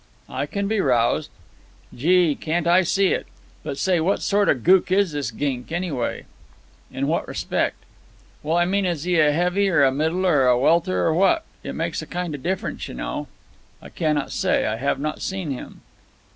"I can be roused." "Gee, can't I see it! But, say, what sort of a gook is this gink, anyway?" "In what respect?" "Well, I mean is he a heavy or a middle or a welter or what? It makes a kind o' difference, you know." "I cannot say. I have not seen him."